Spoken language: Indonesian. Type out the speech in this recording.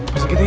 masuk gitu ya